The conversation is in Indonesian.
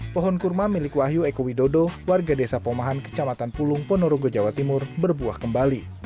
pohon kurma milik wahyu eko widodo warga desa pomahan kecamatan pulung ponorogo jawa timur berbuah kembali